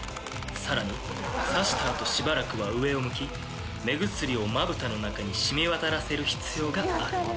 さらにさした後しばらくは上を向き目薬をまぶたの中に染み渡らせる必要がある。